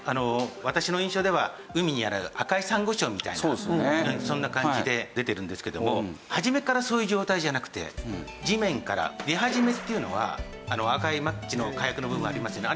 私の印象では海にある赤い珊瑚礁みたいなそんな感じで出てるんですけども初めからそういう状態じゃなくて地面から出始めっていうのは赤いマッチの火薬の部分ありますよね？